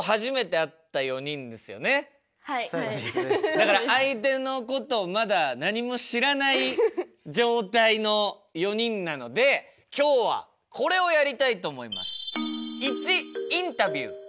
だから相手のことをまだ何も知らない状態の４人なので今日はこれをやりたいと思います。